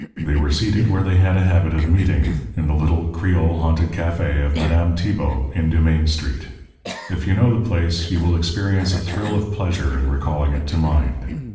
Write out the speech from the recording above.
They were seated where they had a habit of meeting in the little, Creole haunted café of Madame Tibault, in Dumaine Street. If you know the place, you will experience a thrill of pleasure in recalling it to mind.